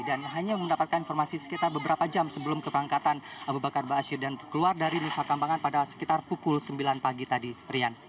dan hanya mendapatkan informasi sekitar beberapa jam sebelum kebangkatan aba bakar aba asyir dan keluar dari nusa kampangan pada sekitar pukul sembilan pagi tadi rian